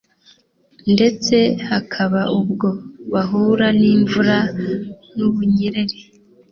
ndetse hakaba ubwo bahura n’imvura n’ubunyereri